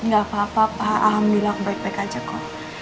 gak apa apa pak alhamdulillah baik baik aja kok